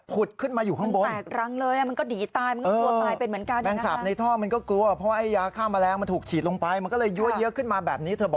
ผุดขึ้นมาอยู่ข้างบน